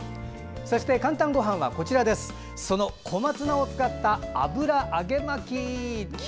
「かんたんごはん」はその小松菜を使った油揚げ巻き。